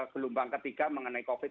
gelombang ketiga mengenai covid